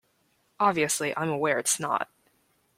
Obviously I'm aware it's not.